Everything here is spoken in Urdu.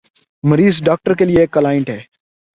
مریض ڈاکٹر کے لیے ایک "کلائنٹ" ہے۔